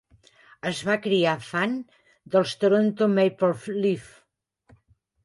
Es va criar fan dels Toronto Maple Leafs.